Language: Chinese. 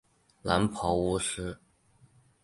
蓝袍巫师。